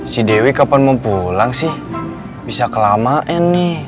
si dewi kapan mau pulang sih bisa kelamaan nih